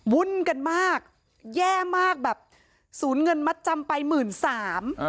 วุ่นกันมากแย่มากแบบสูญเงินมัดจำไปหมื่นสาม